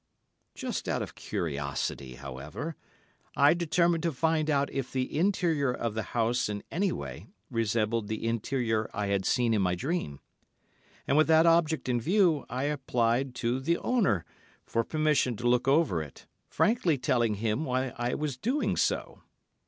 Just out of curiosity, however, I determined to find out if the interior of the house in any way resembled the interior I had seen in my dream, and, with that object in view, I applied to Mr. C.——, the owner, for permission to look over it, frankly telling him why I was doing so.